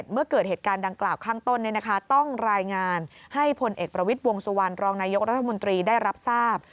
เมื่อเกิดเหตุการณ์ดังกล่าวข้างต้นต้องรายงานให้พลเอกประวิทย์วงสุวรรณรองนายกรัฐมนตรีได้รับทราบ